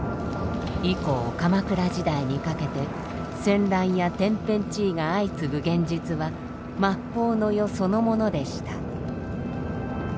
以降鎌倉時代にかけて戦乱や天変地異が相次ぐ現実は末法の世そのものでした。